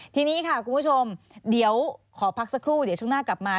ทีนี้ค่ะคุณผู้ชมเดี๋ยวขอพักสักครู่เดี๋ยวช่วงหน้ากลับมา